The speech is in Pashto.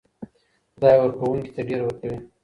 خدای ورکوونکي ته ډېر ورکوي.